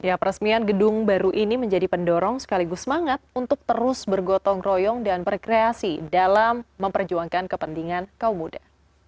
ya peresmian gedung baru ini menjadi pendorong sekaligus semangat untuk terus bergotong royong dan berkreasi dalam memperjuangkan kepentingan kaum muda